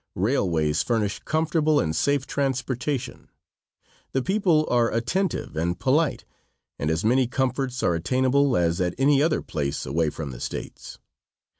Railways furnish comfortable and safe transportation; the people are attentive and polite, and as many comforts are attainable as at any other place away from the States.